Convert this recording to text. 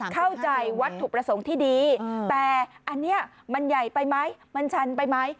เข้าใจวัตถุประสงค์ที่ดีแต่อันนี้มันใหญ่ไปไหมมันชันไปไหม